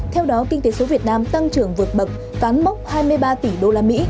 theo đó kinh tế số việt nam tăng trưởng vượt bậc cán mốc hai mươi ba tỷ usd